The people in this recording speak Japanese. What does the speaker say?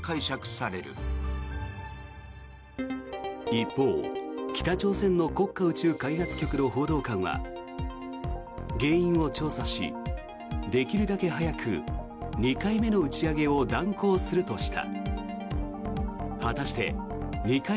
一方、北朝鮮の国家宇宙開発局の報道官は原因を調査し、できるだけ早く２回目の打ち上げを断行するとした。